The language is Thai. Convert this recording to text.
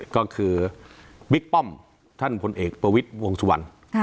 ก็คือบิ๊กป้อมท่านผลเอกประวิศวงศ์สุวรรณอ่า